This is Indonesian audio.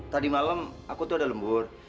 tadi malam aku tuh ada lembur